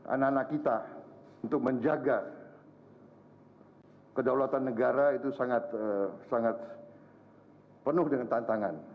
anak anak kita untuk menjaga kedaulatan negara itu sangat penuh dengan tantangan